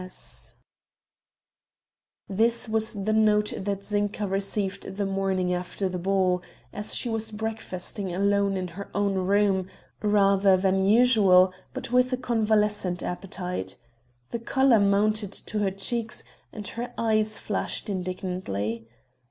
S." This was the note that Zinka received the morning after the ball, as she was breakfasting alone in her own room, rather later than usual, but with a convalescent appetite. The color mounted to her cheeks, and her eyes flashed indignantly.